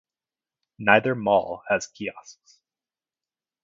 Neither mall has kiosks.